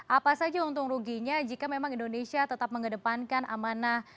apa saja untung ruginya jika memang indonesia tetap mengedepankan amanah